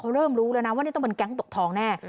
เขาเริ่มรู้แล้วนะว่านี่ต้องเป็นแก๊งตกทองแน่